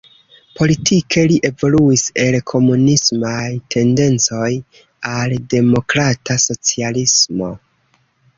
Politike li evoluis el komunismaj tendencoj al demokrata socialismo.